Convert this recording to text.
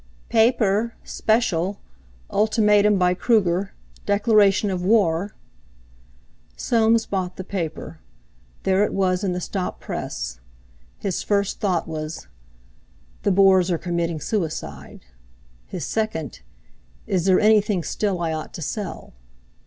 "Payper! Special! Ultimatium by Krooger! Declaration of war!" Soames bought the paper. There it was in the stop press...! His first thought was: "The Boers are committing suicide." His second: "Is there anything still I ought to sell?"